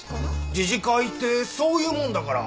自治会ってそういうもんだから。